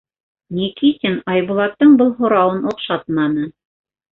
Никитин Айбулаттың был һорауын оҡшатманы.